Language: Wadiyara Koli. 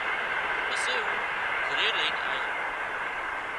پسي اُو گھرِي لئينَ آيان